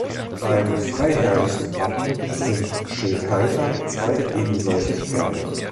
Beim freiherrlichen Wappen sind Schildhalter zwei ebensolche Pferde.